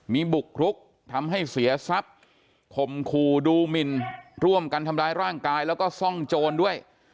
มีบุกรุกทำให้เสียทรัพย์คมคู่ดูหมินร่วมกันทำร้ายร่างกายแล้วก็ซ่องโจรด้วย